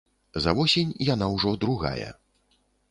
За восень яна ўжо другая.